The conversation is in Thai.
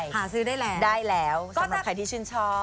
หาซื้อได้แล้วได้แล้วสำหรับใครที่ชื่นชอบ